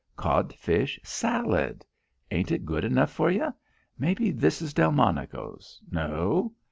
_" "Codfish salad. Ain't it good enough for ye? Maybe this is Delmonico's no?